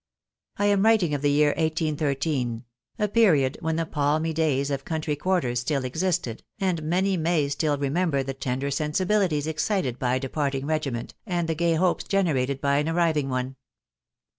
I am writing of the year 1813 — a period when the palmy days of country quarters still existed, and many may still remember the tender sensibilities excited by a departing regiment, and the gay hopes generated %y an arriving one.